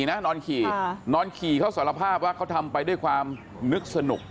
นะนอนขี่นอนขี่เขาสารภาพว่าเขาทำไปด้วยความนึกสนุก